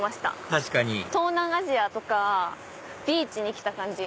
確かに東南アジアとかビーチに来た感じ。